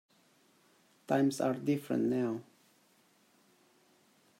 Times are different now.